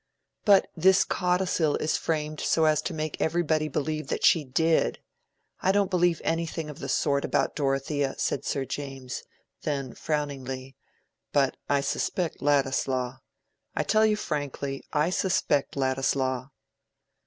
"But this codicil is framed so as to make everybody believe that she did. I don't believe anything of the sort about Dorothea," said Sir James—then frowningly, "but I suspect Ladislaw. I tell you frankly, I suspect Ladislaw."